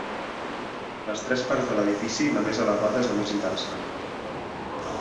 De les tres parts de l'edifici, la més elevada és la més interessant.